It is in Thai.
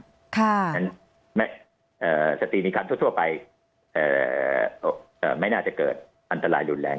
ฉะนั้นสตรีมีคันทั่วไปไม่น่าจะเกิดอันตรายหยุดแรง